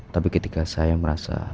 tapi ketika saya merasa